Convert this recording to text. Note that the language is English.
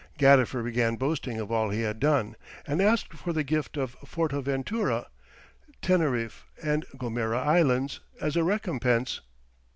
Gadifer began boasting of all he had done, and asked for the gift of Fortaventura, Teneriffe, and Gomera Islands, as a recompense.